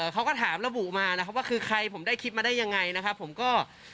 เขาก็ถามแล้วบุลมาว่าคือใครผมได้คิดมาได้ยังไงผมก็